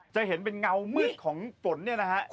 จะเห็นเป็นเงามืดของฝนเนี่ยนะฮะ